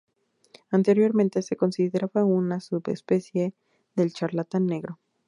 Anteriormente se consideraba una subespecie del charlatán negro.